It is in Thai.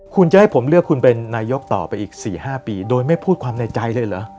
คุณจะให้ผมเลือกคุณเป็นนายกต่อไปอีก๔๕ปีโดยไม่พูดความในใจเลยเหรอ